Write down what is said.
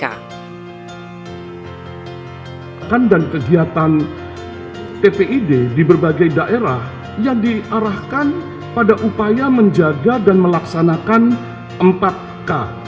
kan dan kegiatan tpid di berbagai daerah yang diarahkan pada upaya menjaga dan melaksanakan empat k